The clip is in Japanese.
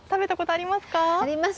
あります。